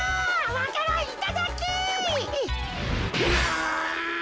わか蘭いただき。